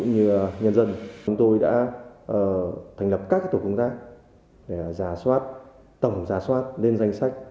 như nhân dân chúng tôi đã thành lập các tổ công tác giả soát tổng giả soát lên danh sách